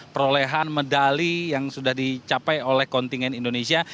perolehan medali yang sudah dicapai oleh kontingen indonesia